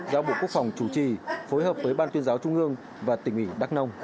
giáo bộ quốc phòng chủ trì phối hợp với ban tuyên giáo trung ương và tỉnh ủy đắc nông